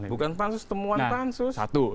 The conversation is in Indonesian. bukan pansus temuan pansus